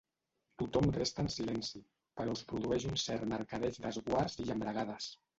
Tothom resta en silenci, però es produeix un cert mercadeig d'esguards i llambregades.